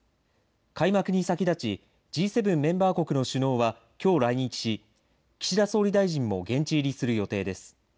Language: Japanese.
開幕に先立ち、Ｇ７メンバー国の首脳はきょう来日し、岸田総理大臣も現地入りする予定です。